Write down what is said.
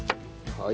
はい。